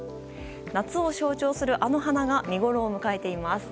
夏を象徴する、あの花が見ごろを迎えています。